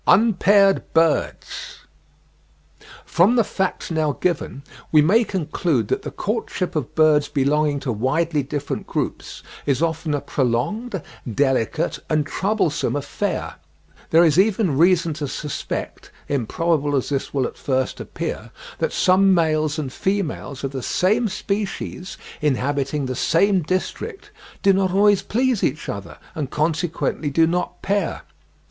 UNPAIRED BIRDS. From the facts now given, we may conclude that the courtship of birds belonging to widely different groups, is often a prolonged, delicate, and troublesome affair. There is even reason to suspect, improbable as this will at first appear, that some males and females of the same species, inhabiting the same district, do not always please each other, and consequently do not pair.